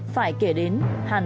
phải kể đến